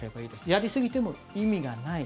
やりすぎても意味がない。